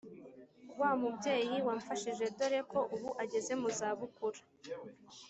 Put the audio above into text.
wa mubyeyi wamfashije doreko ubu ageze muzabukuru